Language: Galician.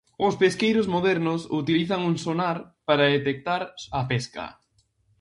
Os pesqueiros modernos utilizan un sonar para detectar a pesca.